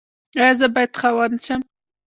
ایا زه باید خاوند شم؟